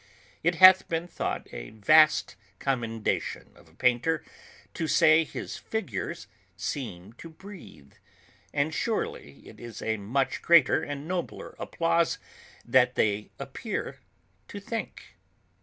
It hath been thought a vast commendation of a painter to say his figures seem to breathe, but surely it is a much greater and nobler applause, that they appear to think.